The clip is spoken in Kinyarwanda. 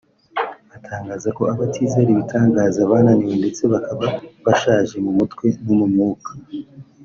atangaza ko abatizera ibitangaza bananiwe ndetse bakaba bashaje mu mutwe no mu mwuka